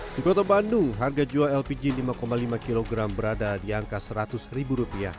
di kota bandung harga jual lpg rp lima lima kg berada di angka rp seratus